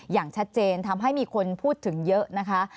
อย่างชัดเจนทำให้มีคนพูดถึงเยอะนะคะ